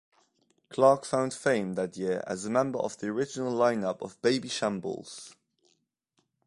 Clarke found fame that year as a member of the original line-up of Babyshambles.